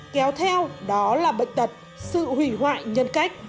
kéo theo đó là bệnh tật sự hủy hoại nhân cách